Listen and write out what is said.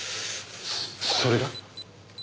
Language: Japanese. それが？